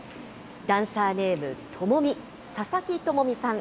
ダンサーネーム、Ｔｏｍｏｍｉ、佐々木友美さん